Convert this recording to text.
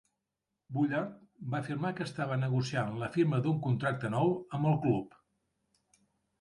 Bullard va afirmar que estava negociant la firma d'un contracte nou amb el club.